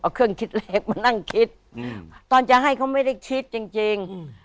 เอาเครื่องคิดเลขมานั่งคิดอืมตอนจะให้เขาไม่ได้คิดจริงจริงอืม